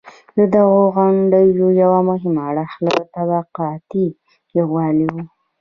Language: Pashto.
د دغو غونډو یو مهم اړخ طبقاتي یووالی و.